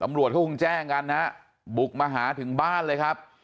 ตำรวจเขาคงแจ้งกันนะฮะบุกมาหาถึงบ้านเลยครับ